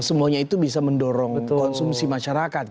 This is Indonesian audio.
semuanya itu bisa mendorong konsumsi masyarakat